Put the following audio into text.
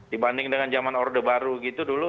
dibanding dengan zaman orde baru gitu dulu